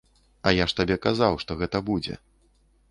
А я ж табе казаў, што гэта будзе.